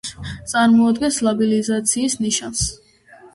წარმოადგენს ლაბიალიზაციის ნიშანს.